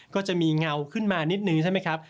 ก็จะมีเงาขึ้นมานิดนึงใช่ไหมครับ